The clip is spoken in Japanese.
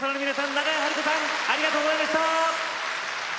長屋晴子さんありがとうございました。